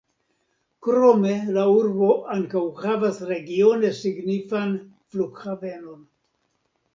Krome la urbo ankaŭ havas regione signifan flughavenon.